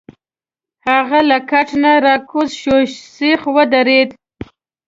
هغه له کټ نه راکوز شو، سیخ ودرید.